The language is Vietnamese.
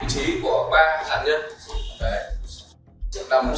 vị trí của ba nạn nhân